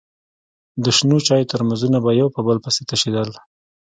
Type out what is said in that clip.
د شنو چايو ترموزونه به يو په بل پسې تشېدل.